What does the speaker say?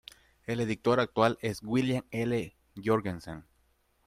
El editor actual es William L. Jorgensen.